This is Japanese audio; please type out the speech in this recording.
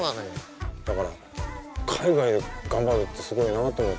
だから海外で頑張るってすごいなと思って。